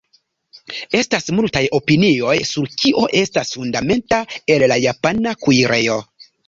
Estas multaj opinioj sur kio estas fundamenta en la japana kuirejo.